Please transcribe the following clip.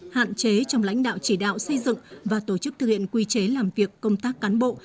hạn chế trong lãnh đạo chỉ đạo xây dựng và tổ chức thực hiện quy chế làm việc công tác cán bộ